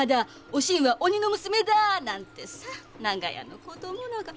おしんは鬼の娘だ」なんてさ長屋の子供らが。